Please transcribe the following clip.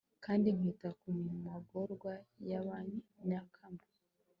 kandi nkita ku magorwa ya ba nyakamwe